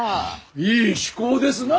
いい趣向ですな！